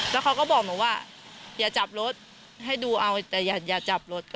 แล้วเขาก็บอกหนูว่าอย่าจับรถให้ดูเอาแต่อย่าจับรถ